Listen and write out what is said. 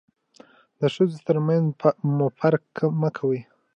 د ښځو تر منځ مو فرق مه کوئ.